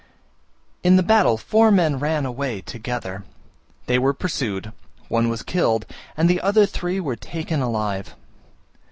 In the battle four men ran away together. They were pursued, one was killed, and the other three were taken alive.